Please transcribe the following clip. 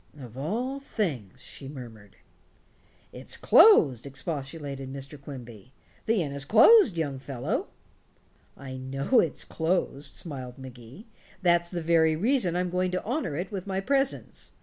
"Of all things," she murmured. "It's closed," expostulated Mr. Quimby; "the inn is closed, young fellow." "I know it's closed," smiled Magee. "That's the very reason I'm going to honor it with my presence.